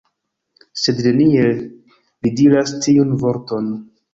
Sed neniel li diras tiun vorton!